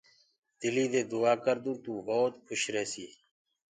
دلي دي دُآآ ڪردون تو کُش ريهسي